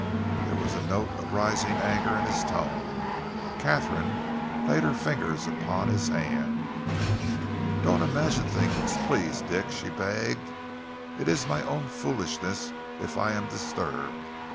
There was a note of rising anger in his tone. Katharine laid her fingers upon his hand. "Don't imagine things, please, Dick," she begged. "It is my own foolishness if I am disturbed.